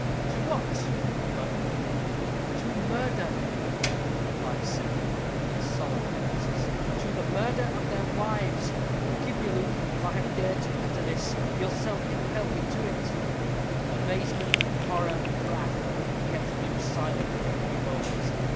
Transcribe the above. "To what?" demanded Luke. "To murder!" replied Sybil, with solemn emphasis. "To the murder of their wives. Forgive me, Luke, if I have dared to utter this. Yourself compelled me to it." Amazement, horror, wrath, kept Luke silent for a few moments.